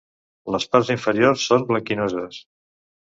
Les parts inferiors són blanquinoses.